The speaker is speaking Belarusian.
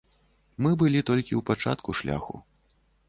Мы былі толькі ў пачатку шляху.